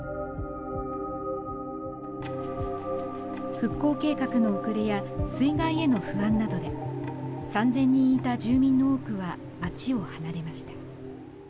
復興計画の遅れや水害への不安などで３，０００人いた住民の多くは町を離れました。